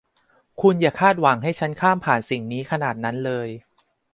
คุณอย่าคาดหวังให้ฉันข้ามผ่านสิ่งนี้ขนาดนั้นเลย